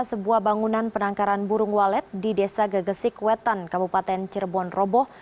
sebuah bangunan penangkaran burung walet di desa gegesik wetan kabupaten cirebon roboh